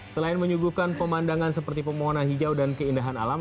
selain menyuguhkan pemandangan seperti pemohonan hijau dan keindahan alam